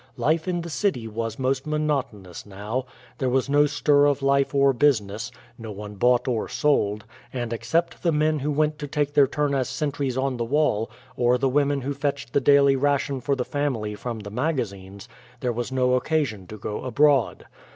Life in the city was most monotonous now. There was no stir of life or business; no one bought or sold; and except the men who went to take their turn as sentries on the wall, or the women who fetched the daily ration for the family from the magazines, there was no occasion to go abroad.